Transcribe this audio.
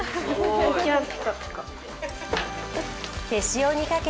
頂きます。